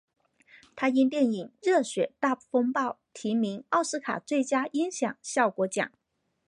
他因电影烈血大风暴提名奥斯卡最佳音响效果奖。